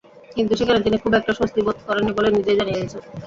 কিন্তু সেখানে তিনি খুব একটা স্বস্তি বোধ করেননি বলে নিজেই জানিয়ে গেছেন।